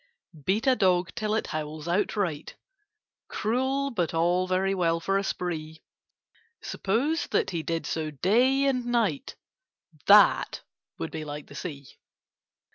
Beat a dog till it howls outright— Cruel, but all very well for a spree: Suppose that he did so day and night, That would be like the Sea.